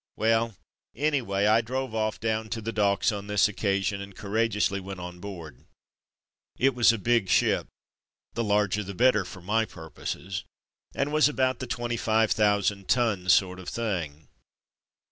Well, anyway, I drove off down to the docks on this occasion, and courageously went on board. 296 From Mud to Mufti It was a big ship (the larger the better for my purpose), and was about the twenty five thousand tons sort of thing.